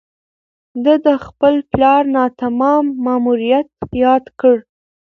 ده د خپل پلار ناتمام ماموریت یاد کړ.